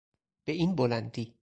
به این بلندی